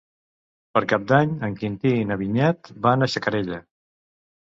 Per Cap d'Any en Quintí i na Vinyet van a Xacarella.